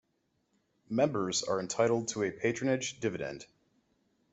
Members are entitled to a patronage dividend.